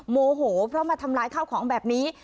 โมโหเพราะมาทำลายข้าวของแบบนี้